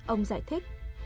ông giải thích